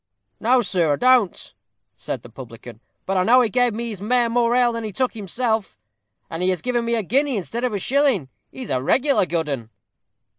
"No, sir, I don't," said the publican. "But I know he gave his mare more ale than he took himself, and he has given me a guinea instead of a shilling. He's a regular good 'un."